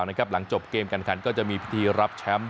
ส่วนอาการบาดเจ็บของธนบุญเกษารัฐที่มีอาการบาดเจ็บเล็กน้อย